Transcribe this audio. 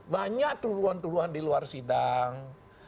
banyak tuduhan tuduhan di luar sidang